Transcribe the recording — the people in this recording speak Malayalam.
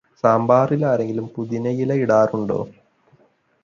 സാമ്പാറിൽ ആരെങ്കിലും പുതിനയില ഇടാറുണ്ടോ?